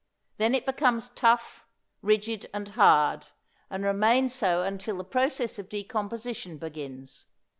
Then it becomes tough, rigid and hard, and remains so until the process of decomposition begins.